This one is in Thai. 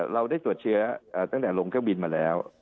เราได้ตรวจเชื้อตั้งแต่ลงเครื่องบินมาแล้ว